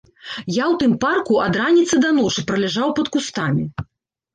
Я ў тым парку ад раніцы да ночы праляжаў пад кустамі.